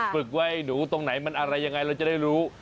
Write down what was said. ฝึกไว้หนูตรงไหนมันอะไรยังไงเราจะได้รู้